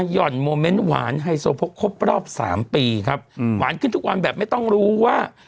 ่อนโมเมนต์หวานไฮโซโพกครบรอบสามปีครับหวานขึ้นทุกวันแบบไม่ต้องรู้ว่า